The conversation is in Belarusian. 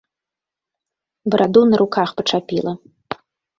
Бараду на руках пачапіла.